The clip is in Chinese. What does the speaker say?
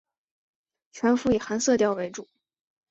全幅以寒色调为主